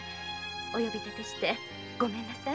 お呼びだてしてごめんなさい。